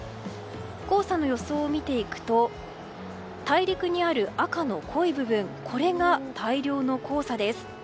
黄砂の予想を見ていくと大陸にある赤の濃い部分これが大量の黄砂です。